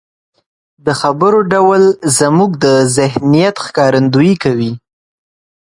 د خبرو ډول زموږ د ذهنيت ښکارندويي کوي.